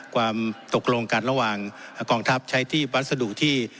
ความตกลงกันระหว่างกองทัพใช้ที่วัสดุที่